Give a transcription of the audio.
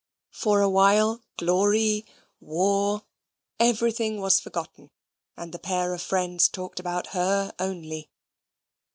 For a while, glory, war, everything was forgotten, and the pair of friends talked about her only.